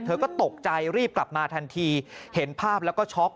เธอก็ตกใจรีบกลับมาทันทีเห็นภาพแล้วก็ช็อก